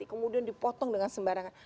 kemudian dipotong dengan sembarangan